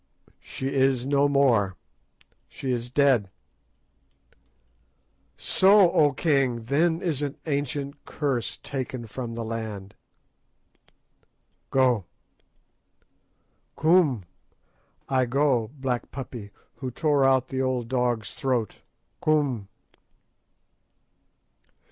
"She is no more; she is dead." "So, O king! then is an ancient curse taken from the land." "Go!" "Koom! I go, Black Puppy, who tore out the old dog's throat. _Koom!